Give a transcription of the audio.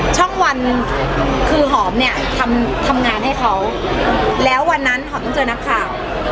ช่องวันคือหอมเนี่ยทำงานให้เขาแล้ววันนั้นหอมต้องเจอนักข่าว